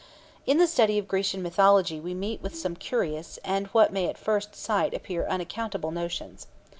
In the study of Grecian mythology we meet with some curious, and what may at first sight appear unaccountable notions.